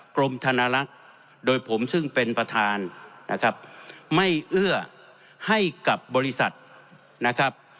กรมธนลักษณ์โดยผมซึ่งเป็นประธานนะครับไม่เอื้อให้กับบริษัทนะครับ